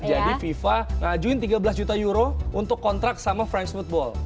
jadi fifa ngajuin tiga belas juta euro untuk kontrak sama french football